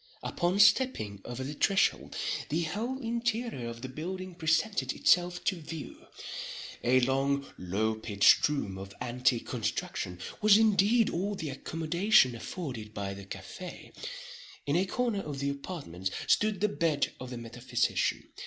Upon stepping over the threshold, the whole interior of the building presented itself to view. A long, low pitched room, of antique construction, was indeed all the accommodation afforded by the café. In a corner of the apartment stood the bed of the metaphysician.